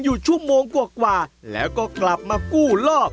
อยู่ชั่วโมงกว่าแล้วก็กลับมากู้ลอก